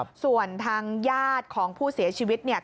พูดอยู่แต่ว่าผมโดนมนต์ดำใส่ตัวผม